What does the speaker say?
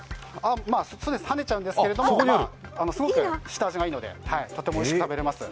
はねちゃうんですけれども、すごく下味がいいのでとってもおいしく食べれます。